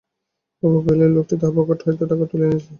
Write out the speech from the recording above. বাবু কহিলেন, এই লোকটি তাঁহার পকেট হইতে টাকা তুলিয়া লইয়াছে।